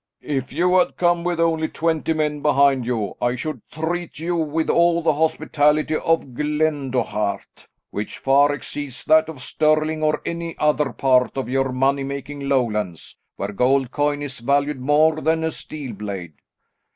"If you had come with only twenty men behind you, I should treat you with all the hospitality of Glendochart, which far exceeds that of Stirling or any other part of your money making Lowlands, where gold coin is valued more than a steel blade."